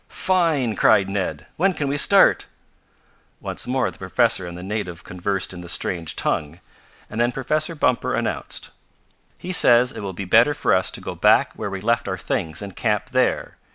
"Fine!" cried Ned. "When can we start?" Once more the professor and the native conversed in the strange tongue, and then Professor Bumper announced: "He says it will be better for us to go back where we left our things and camp there.